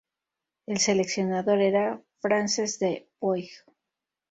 El seleccionador era Francesc de Puig.